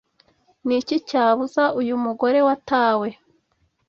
ni iki cyabuza uyu mugore watawe